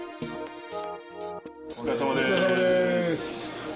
お疲れさまです。